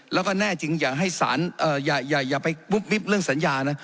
แล้วก็แน่จริงอย่าให้สารอย่าไปวุบวิบเรื่องสัญญานะ